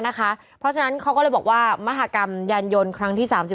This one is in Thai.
เพราะฉะนั้นเขาก็เลยบอกว่ามหากรรมยานยนต์ครั้งที่๓๔